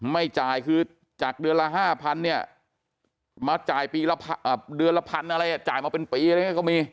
ไม่จ่ายคือจากเดือนละ๕๐๐๐เนี่ยมาจ่ายเดือนละ๑๐๐๐อะไรจ่ายมาเป็นปีอะไรก็มี